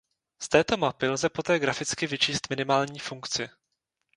Z této mapy lze poté graficky vyčíst minimální funkci.